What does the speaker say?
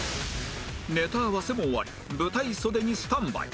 ネタ合わせも終わり舞台袖にスタンバイ